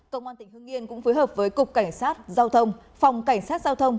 công an tỉnh hương yên cũng phối hợp với cục cảnh sát giao thông phòng cảnh sát giao thông